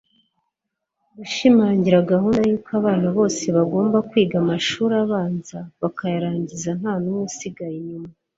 gushimangira gahunda y'uko abana bose bagomba kwiga amashuri abanza bakayarangiza nta n'umwe usigaye inyuma